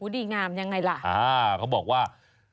ดีงามยังไงล่ะเขาบอกว่า